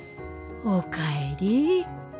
おかえり。